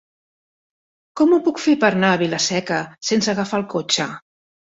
Com ho puc fer per anar a Vila-seca sense agafar el cotxe?